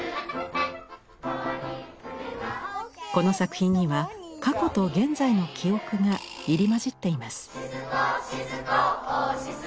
この作品には過去と現在の記憶が入り交じっています。